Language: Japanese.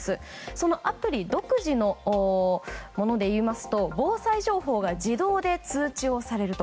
そのアプリ独自のものでいいますと防災情報が自動で通知されると。